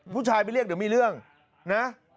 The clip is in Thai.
ผู้ชายไปเรียกเดี๋ยวมีเรื่องนะ